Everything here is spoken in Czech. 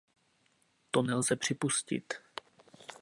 To nelze připustit!